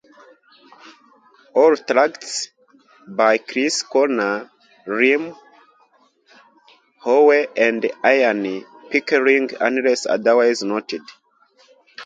All tracks by Chris Corner, Liam Howe and Ian Pickering unless otherwise noted.